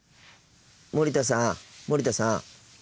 森田さん森田さん。